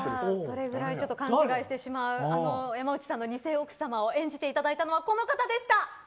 それぐらい勘違いしてしまう山内さんの偽奥様を演じていただいたのはこの方でした。